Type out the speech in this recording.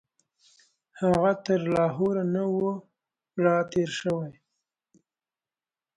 هغه تر لاهور نه وو راتېر شوی.